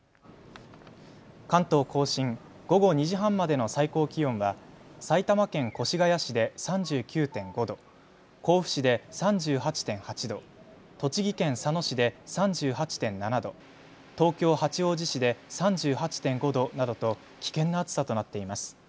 関東甲信、午後２時半までの最高気温は埼玉県越谷市で３９．５度、甲府市で３８．８度、栃木県佐野市で３８．７度、東京八王子市で３８．５度などと危険な暑さとなっています。